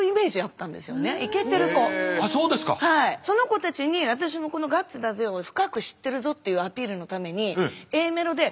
その子たちに私もこの「ガッツだぜ！！」を深く知ってるぞっていうアピールのためにあっ出た。